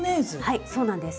はいそうなんです。